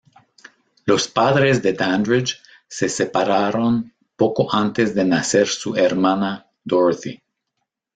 Los padres de Dandridge se separaron poco antes de nacer su hermana Dorothy.